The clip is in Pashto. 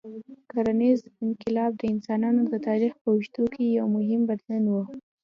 کرنيز انقلاب د انسانانو د تاریخ په اوږدو کې یو مهم بدلون و.